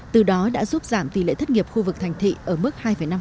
từ đó đã giúp giảm tỷ lệ thất nghiệp khu vực thành thị ở mức hai năm